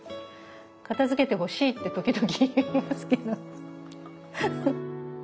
片づけてほしいって時々言いますけどフフッ。